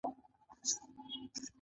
آیا پښتونولي یو شفاهي قانون نه دی؟